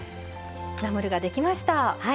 ナムルができました。